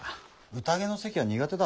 宴の席は苦手だ。